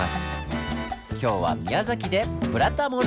今日は宮崎でブラタモリ！